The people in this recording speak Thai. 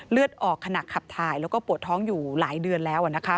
เลือดออกขณะขับถ่ายแล้วก็ปวดท้องอยู่หลายเดือนแล้วนะคะ